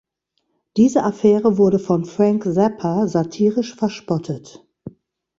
Diese Affäre wurde von Frank Zappa satirisch verspottet.